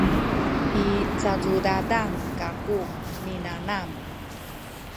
i cacudadan kaku minanam